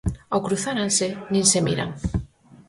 Ao cruzárense, nin se miran.